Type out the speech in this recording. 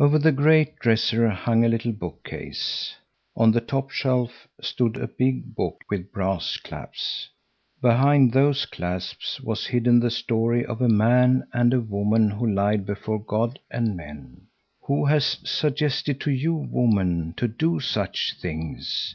Over the great dresser hung a little bookcase. On the top shelf stood a big book with brass clasps. Behind those clasps was hidden the story of a man and a woman who lied before God and men. "Who has suggested to you, woman, to do such things?